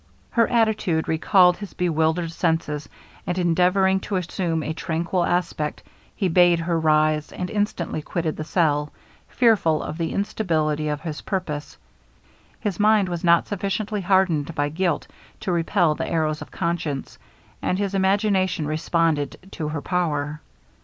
Her attitude recalled his bewildered senses; and endeavouring to assume a tranquil aspect, he bade her rise, and instantly quitted the cell, fearful of the instability of his purpose. His mind was not yet sufficiently hardened by guilt to repel the arrows of conscience, and his imagination responded to her power.